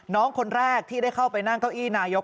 น้องคนแรกที่ได้เข้าไปนั่งเก้าอี้นายก